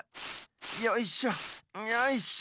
よいしょよいしょ。